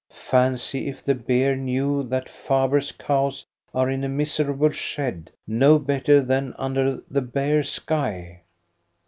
Fancy if the bear knew that Faber's cows are in a miserable shed, no better than under the bare sky.